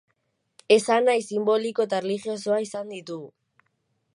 Esanahi sinboliko eta erlijiosoa izan ditu.